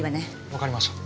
わかりました。